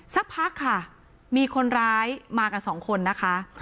สักพักค่ะมีคนร้ายมากันสองคนนะคะ